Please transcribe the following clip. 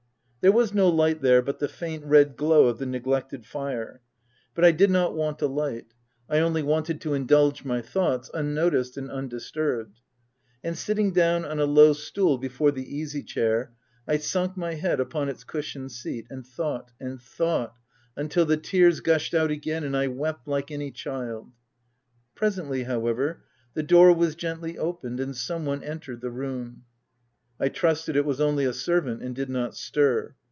There was no light there but the faint red glow of the neglected fire ;— but I did not want OF WILDFELL HALL. 351 a light ; I only wanted to indulge my thoughts, unnoticed and undisturbed ; and sitting down on a low stool before the easy chair, I sunk my head upon its cushioned seat, and thought, and thought, until the tears gushed out again, and I wept like any child. Presently, however, the door was gently opened and some one entered the room. I trusted it was only a servant, and did not stir.